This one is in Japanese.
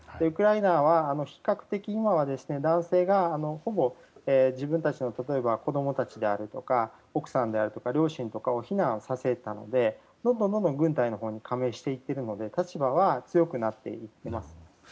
ウクライナは比較的今は男性がほぼ自分たちの例えば子供たちであるとか奥さんであるとか両親であるとかを避難させたのでどんどん軍隊のほうに加盟していっているので立場は強くなっていっています。